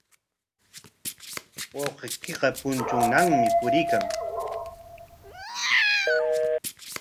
Wawqiykiqa punchuunaqmi puriykan.